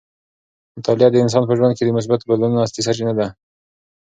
مطالعه د انسان په ژوند کې د مثبتو بدلونونو اصلي سرچینه ده.